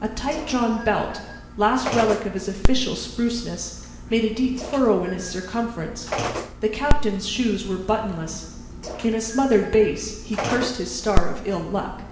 A tight drawn belt—last relic of his official spruceness—made a deep furrow in his circumference. The Captain's shoes were buttonless. In a smothered bass he cursed his star of ill luck.